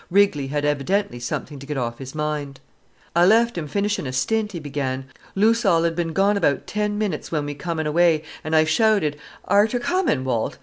Rigley had evidently something to get off his mind: "Ah left 'im finishin' a stint," he began. "Loose all 'ad bin gone about ten minutes when we com'n away, an' I shouted, 'Are ter comin', Walt?